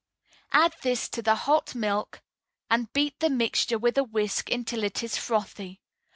Add this to the hot milk, and beat the mixture with a whisk until it is frothy.